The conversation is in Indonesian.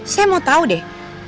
saya mau tau deh